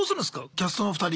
キャストの２人。